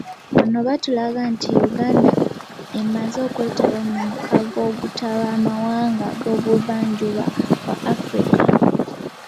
Wano batulaga nti Uganda emaze okwetaba mu mukago ogutaba amawanga g'obuvanjuba bwa Afrika.